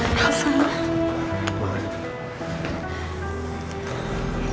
gimana keadaan papa mah